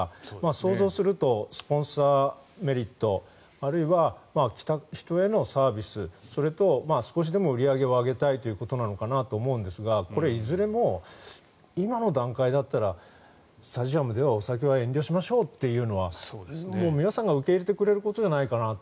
想像するとスポンサーメリットあるいは来た人へのサービスそれと少しでも売り上げを上げたいということなのかなと思うんですがこれはいずれも今の段階だったらスタジアムではお酒は遠慮しましょうというのは皆さんが受け入れてくれることじゃないかなと。